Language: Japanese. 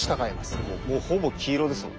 もうほぼ黄色ですもん。